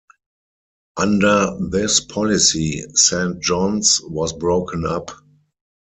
Under this policy, Saint John's was broken up.